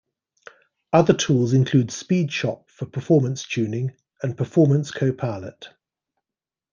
Other tools include Speedshop for performance tuning, and Performance Co-Pilot.